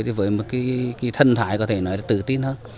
thì với một cái thân thái có thể nói là tự tin hơn